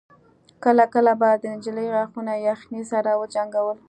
کله کله به د نجلۍ غاښونه يخنۍ سره وجنګول.